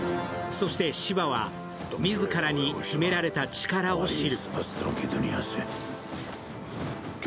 そしてシヴァは自らに秘められた力を知る。